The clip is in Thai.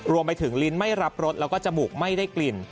ลิ้นไม่รับรสแล้วก็จมูกไม่ได้กลิ่น